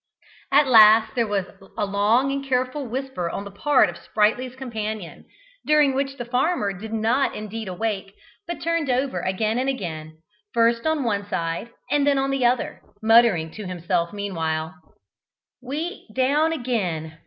At last there was a long and careful whisper on the part of Sprightly's companion, during which the farmer did not indeed awake but turned over again and again, first on one side and then on the other, muttering to himself meanwhile: "Wheat down again!